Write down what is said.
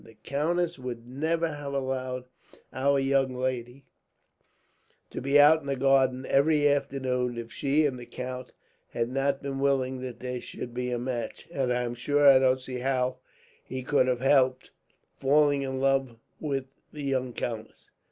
"The countess would never have allowed our young lady to be out in the garden, every afternoon, if she and the count had not been willing that there should be a match; and I am sure I don't see how he could help falling in love with the young countess."